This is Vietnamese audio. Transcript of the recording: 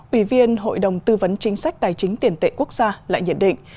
ủy viên hội đồng tư vấn chính sách tài chính tiền tệ quốc gia lại nhận định